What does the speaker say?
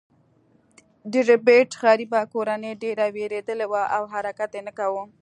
د ربیټ غریبه کورنۍ ډیره ویریدلې وه او حرکت یې نه کاوه